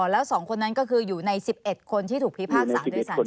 แล้วสองคนนั้นก็คืออยู่ใน๑๑คนที่ถูกพิพากษาด้วยศาลชั้นต้น